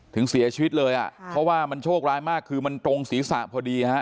ถึงเสียชีวิตเลยอ่ะเพราะว่ามันโชคร้ายมากคือมันตรงศีรษะพอดีฮะ